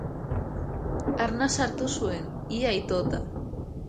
Arnasa hartu zuen, ia itota.